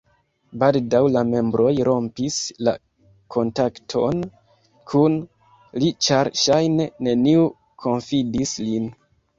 Baldaŭ la membroj rompis la kontakton kun li ĉar ŝajne neniu konfidis lin.